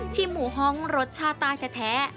ชิมหมูฮองรสชาตาแท้